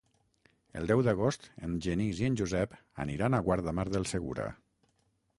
El deu d'agost en Genís i en Josep aniran a Guardamar del Segura.